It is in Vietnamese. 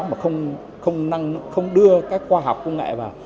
mà không đưa cái khoa học công nghệ vào